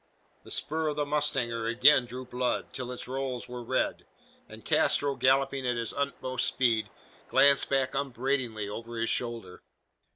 The spur of the mustanger again drew blood, till its rowels were red; and Castro, galloping at his utmost speed, glanced back upbraidingly over his shoulder.